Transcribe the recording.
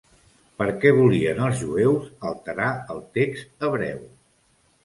Per què volien els jueus alterar el text hebreu?